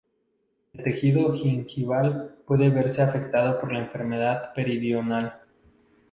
El tejido gingival puede verse afectado por la enfermedad periodontal.